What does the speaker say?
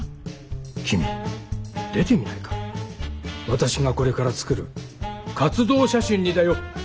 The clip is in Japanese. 私がこれから作る活動写真にだよ。